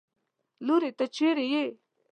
لورې! ته چېرې يې؟